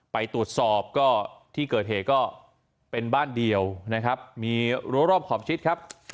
ไปตรวจสอบก็ที่เกิดเหตุก็เป็นบ้านเดียวนะครับมีรั้วรอบขอบชิดครับ